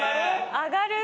・上がる！